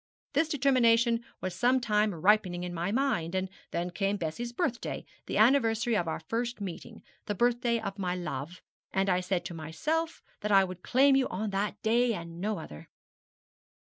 This determination was some time ripening in my mind; and then came Bessie's birthday, the anniversary of our first meeting, the birthday of my love, and I said to myself that I would claim you on that day, and no other.'